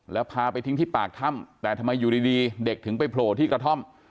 แล้วพาไปทิ้งที่ปากถ้ำแต่ทำไมอยู่ดีเด็กถึงไปโผล่ที่กระท่อม